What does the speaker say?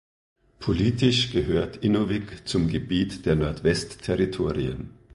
Politisch gehört Inuvik zum Gebiet der Nordwest-Territorien.